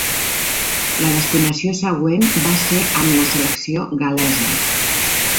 La destinació següent va ser amb la selecció gal·lesa.